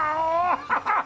ハハハハ！